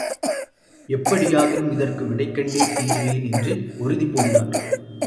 எப்படியாகிலும் இதற்கு விடை கண்டே தீருவேன் என்று உறுதி பூண்டார்.